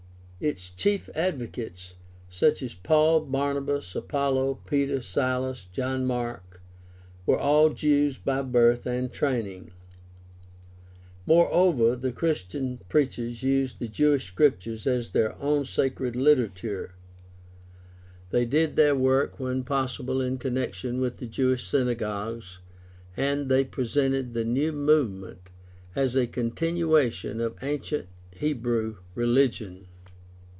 Its chief advocates, such as Paul, Barnabas, Apollos, Peter, Silas, John Mark, were all Jews by birth and training. Moreover, the Christian preachers used the Jewish Scripture as their own sacred literature, they did their work when possible in connection with the Jewish synagogues, and they presented the new movement as a continuation of ancient Hebrew religion.